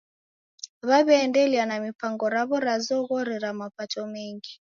W'aw'iaendelia na mipango raw'o ra zoghori ra mapato mengi.